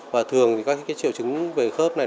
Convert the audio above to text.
và thường các triệu chứng về khớp này